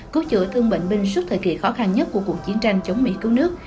cứu chữa thương bệnh binh suốt thời kỳ khó khăn nhất của cuộc chiến tranh chống mỹ cứu nước